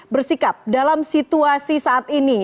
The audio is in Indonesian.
bersikap dalam situasi saat ini